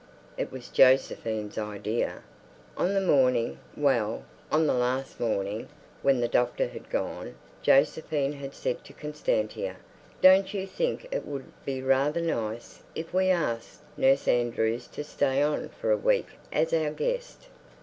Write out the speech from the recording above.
It was Josephine's idea. On the morning—well, on the last morning, when the doctor had gone, Josephine had said to Constantia, "Don't you think it would be rather nice if we asked Nurse Andrews to stay on for a week as our guest?"